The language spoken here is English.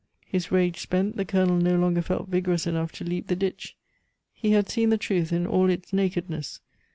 His rage spent, the Colonel no longer felt vigorous enough to leap the ditch. He had seen the truth in all its nakedness.